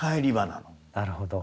なるほど。